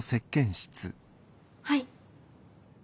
はい？